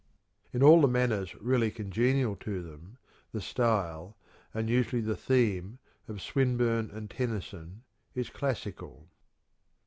In all the manners really congenial to them the style, and usually the theme, of Swinburne and Tennyson is classical.